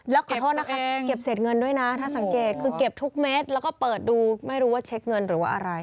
แล้วก็เกี่ยวเสร็จเงินด้วยนะหากเช็คเก็บทุกเม็ดแล้วก็เปิดดูไม่รู้ว่าเช็คเงินหรือว่าอะไร